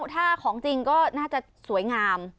ถ้าของจริงก็น่าจะสวยงาม